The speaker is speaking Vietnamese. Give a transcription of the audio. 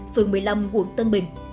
phường một mươi năm quận tân bình